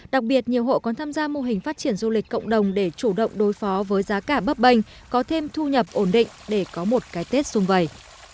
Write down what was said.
đặc biệt nhiều hộ còn tham gia mô hình phát triển du lịch cộng đồng để chủ động đối phó với giá cả bấp bềnh có thêm thu nhập ổn định để có một cái tết xung vầy